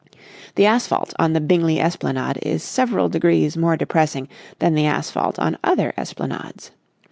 The asphalte on the Bingley esplanade is several degrees more depressing than the asphalte on other esplanades.